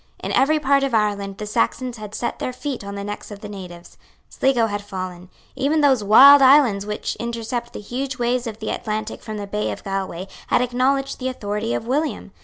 In every part of Ireland the Saxons had set their feet on the necks of the natives. Sligo had fallen. Even those wild islands which intercept the huge waves of the Atlantic from the bay of Galway had acknowledged the authority of William.